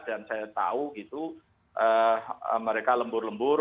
dan saya tahu gitu mereka lembur lembur